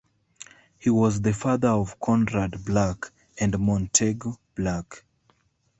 He was the father of Conrad Black and Montegu Black.